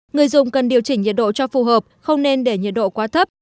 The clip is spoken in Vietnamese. người dùng cần điều chỉnh nhiệt độ cho phù hợp không nên để nhiệt độ quá thấp